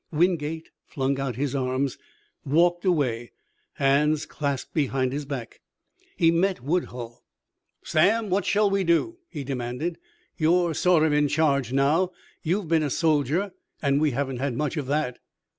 Wingate flung out his arms, walked away, hands clasped behind his back. He met Woodhull. "Sam, what shall we do?" he demanded. "You're sort of in charge now. You've been a soldier, and we haven't had much of that."